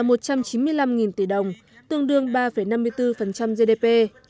tổng số chi ngân sách nhà nước là chín tỷ đồng tương đương ba năm mươi bốn gdp